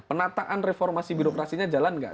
penataan reformasi birokrasinya jalan nggak